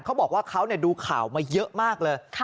เขาบอกว่าเขาดูข่าวมาเยอะมากเลย